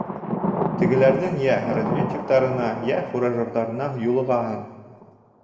Тегеләрҙең йә разведчиктарына, йә фуражерҙарына юлығаһың.